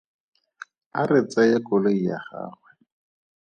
A re tseye koloi ya gagwe.